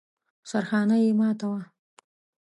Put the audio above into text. سرخانه يې ماته وه.